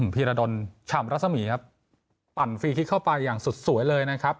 พีรดลฉ่ำรัศมีครับปั่นฟรีคลิกเข้าไปอย่างสุดสวยเลยนะครับ